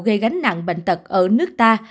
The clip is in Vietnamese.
gây gánh nặng bệnh tật ở nước ta